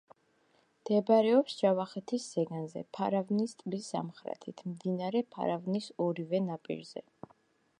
მდებარეობს ჯავახეთის ზეგანზე, ფარავნის ტბის სამხრეთით, მდინარე ფარავნის ორივე ნაპირზე.